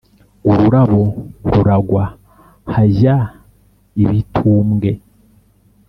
ururabo ruragwa hajya ibitumbwe,